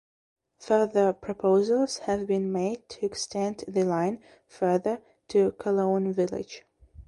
Further proposals have been made to extend the line further to Coloane Village.